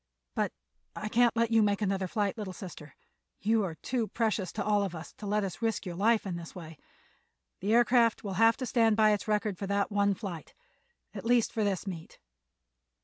But I can't let you make another flight, little sister. You are too precious to us all for us to let you risk your life in this way. The aircraft will have to stand by its record for that one flight—at least for this meet."